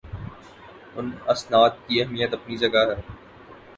ان اسناد کی اہمیت اپنی جگہ ہے